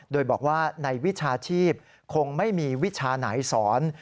โดยบอกว่าในวิชาชีพคงไม่มีวิชาไหนสอน